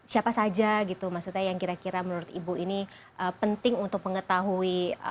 siapa saja gitu maksudnya yang kira kira menurut ibu ini penting untuk mengetahui